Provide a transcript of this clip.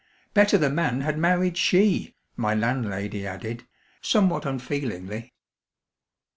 "Better the man had married she" my landlady added, somewhat unfeelingly.